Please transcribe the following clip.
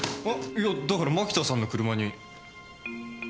いやだから蒔田さんの車に。